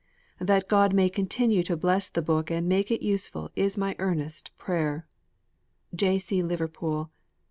That God may continue to bless the book and make it useful is my earnest prayer. J. C. LIVERPOOL.